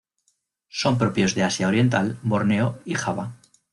Son propios de Asia oriental, Borneo y Java.